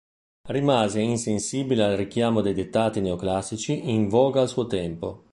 Rimase insensibile al richiamo dei dettati neoclassici in voga al suo tempo.